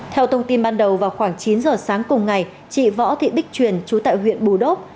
theo thông tin ban đầu vào khoảng chín giờ sáng cùng ngày chị võ thị bích truyền chú tại huyện bù đốc